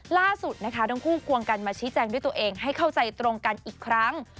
ล่าสุดนะคะทั้งคู่ควงกันมาชี้แจงด้วยตัวเองให้เข้าใจตรงกันอีกครั้ง